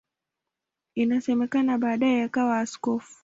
Inasemekana baadaye akawa askofu.